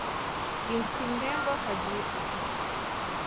Hufuatilia sauti ya muziki unaorindima kutoka shule ya muziki